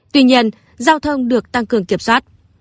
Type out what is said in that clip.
tuy nhiên giao thông được tăng cường kiểm soát